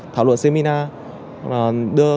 thảo luận seminar đưa